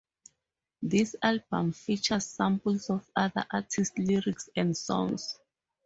This album features samples of other artists lyrics and songs.